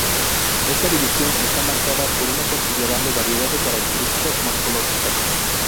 Esta división está marcada por una considerable variedad de características morfológicas.